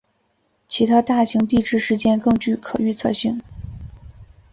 其他大型地质事件更具可预测性。